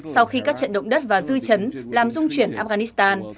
sau khi các trận động đất và dư chấn làm dung chuyển afghanistan